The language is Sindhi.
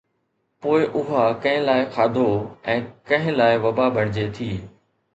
پوءِ اها ڪنهن لاءِ کاڌو ۽ ڪنهن لاءِ وبا بڻجي ٿي.